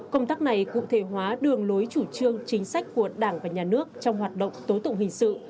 công tác này cụ thể hóa đường lối chủ trương chính sách của đảng và nhà nước trong hoạt động tố tụng hình sự